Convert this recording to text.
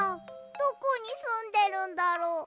どこにすんでるんだろう？